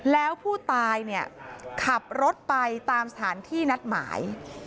แล้วผู้ตายเนี่ยขับรถไปตามสถานที่นัดหมาย